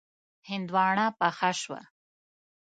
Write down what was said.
هندواڼه پخه شوه.